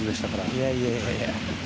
いやいや。